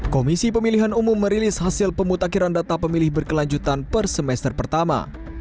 komisi pemilihan umum merilis hasil pemutakiran data pemilih berkelanjutan per semester pertama